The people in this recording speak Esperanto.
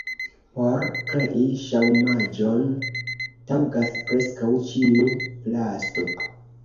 Por krei ŝaumaĵon taŭgas preskaŭ ĉiu plasto.